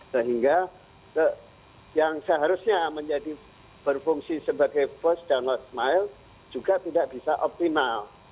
sehingga yang seharusnya menjadi berfungsi sebagai first dan last mail juga tidak bisa optimal